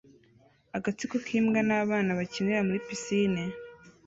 Agatsiko k'imbwa n'abana bakinira muri pisine